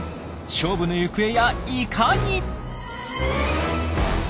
勝負の行方やいかに！